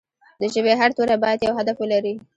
د ژبې هر توری باید یو هدف ولري.